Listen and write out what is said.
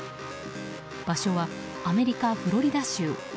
場所はアメリカ・フロリダ州。